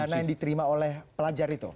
dana yang diterima oleh pelajar itu